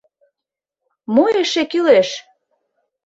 Мо эше кӱлеш?